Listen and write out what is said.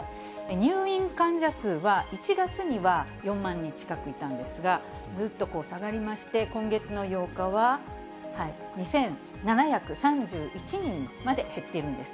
入院患者数は１月には４万人近くいたんですが、ずっと下がりまして、今月の８日は２７３１人まで減っているんです。